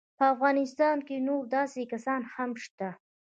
په افغانستان کې نور داسې کسان هم شته.